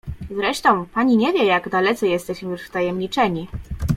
"Zresztą, pani nie wie, jak dalece jesteśmy już wtajemniczeni“."